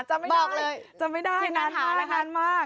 จำไม่ได้จำไม่ได้งานมาก